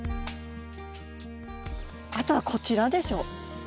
あとはこちらでしょ。